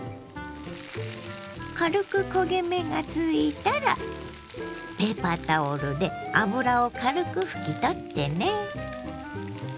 軽く焦げ目がついたらペーパータオルで油を軽く拭き取ってね。